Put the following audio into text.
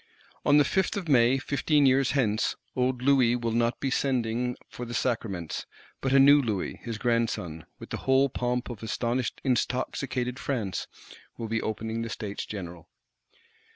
On the Fifth of May, fifteen years hence, old Louis will not be sending for the Sacraments; but a new Louis, his grandson, with the whole pomp of astonished intoxicated France, will be opening the States General.